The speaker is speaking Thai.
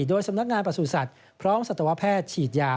โดยสำนักงานประสูจนสัตว์พร้อมสัตวแพทย์ฉีดยา